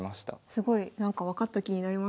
すごいなんか分かった気になりました。